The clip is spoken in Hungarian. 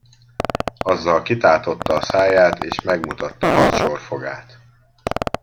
Azzal kitátotta a száját, és megmutatta hat sor fogát.